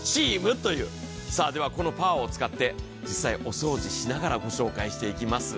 このパワーを使って実際、お掃除しながら御紹介していきます。